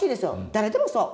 誰でもそう。